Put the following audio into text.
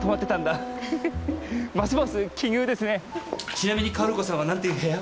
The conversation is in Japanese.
ちなみに薫子さんはなんていう部屋？